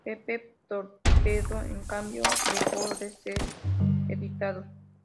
Pepe Torpedo, en cambio, dejó de ser editado.